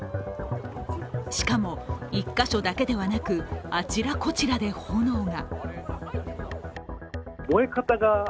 しかも、１か所だけではなく、あちらこちらで炎が。